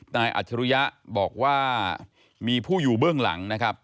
อัจฉริยะบอกว่ามีผู้อยู่เบื้องหลังนะครับ